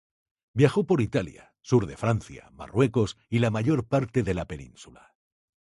Viajó por Italia, sur de Francia, Marruecos y la mayor parte de la Península.